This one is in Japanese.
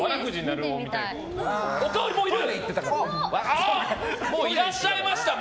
おかわりもういらっしゃいました。